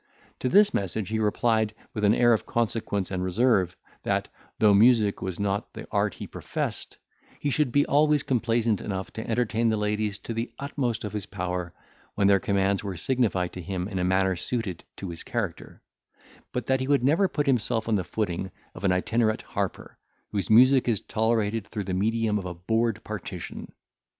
To this message he replied, with an air of consequence and reserve, that, though music was not the art he professed, he should be always complaisant enough to entertain the ladies to the utmost of his power, when their commands were signified to him in a manner suited to his character; but that he would never put himself on the footing of an itinerate harper, whose music is tolerated through the medium of a board partition.